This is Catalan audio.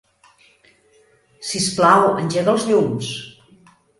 Sisplau, engega els llums.